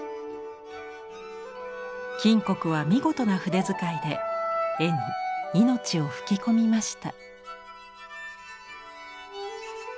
谷は見事な筆遣いで絵に命を吹き込みました。